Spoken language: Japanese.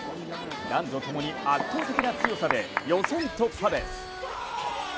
男女ともに圧倒的な強さで予選突破です。